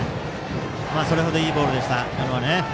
それ程いいボールでした。